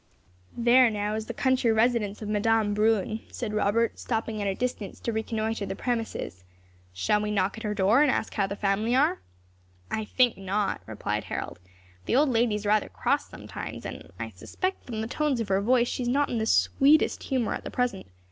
"There, now, is the country residence of Madame Bruin," said Robert, stopping at a distance to reconnoitre the premises. "Shall we knock at her door, and ask how the family are?" "I think not," replied Harold, "the old lady is rather cross sometimes, and I suspect from the tones of her voice she is not in the sweetest humour at the present.